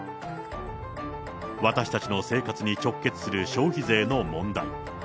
私たちの生活に直結する消費税の問題。